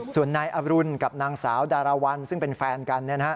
ส่วนนายอรุณกับนางสาวดารวรรณซึ่งเป็นแฟนกัน